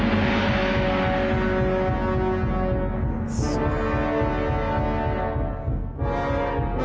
すごい。